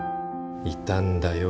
いたんだよ